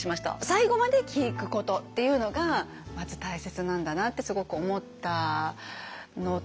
最後まで聞くことっていうのがまず大切なんだなってすごく思いました。